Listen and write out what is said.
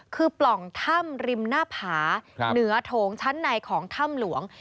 คือปล่องถ้ำริมหน้าผาเหนือโถงชั้นในของถ้ำหลวง